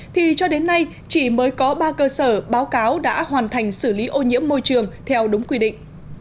thì cho đến nay chỉ mới có ba cơ sở báo cáo đã hoàn thành xử lý ô nhiễm